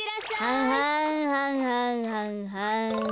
ははんはんはんはんはん。